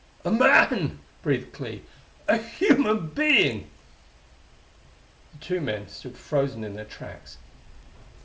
"A man!" breathed Clee. "A human being!" The two men stood frozen in their tracks.